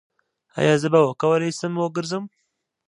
ایا زه به وکولی شم وګرځم؟